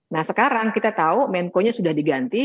nah sekarang kita tahu menko nya sudah diganti